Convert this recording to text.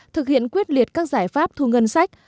thực hiện quyết liệt các giải pháp thu ngân sách